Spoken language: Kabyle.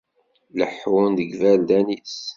Leḥḥun deg yiberdan-is.